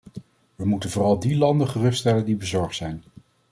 We moeten vooral die landen geruststellen die bezorgd zijn.